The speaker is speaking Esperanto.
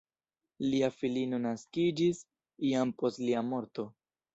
Lia filino naskiĝis jam post lia morto.